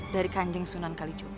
dari kanjeng sunan kalijogo